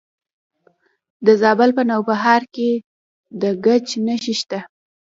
د زابل په نوبهار کې د ګچ نښې شته.